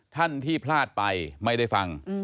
ท่านที่พลาดไปไม่ได้ฟัง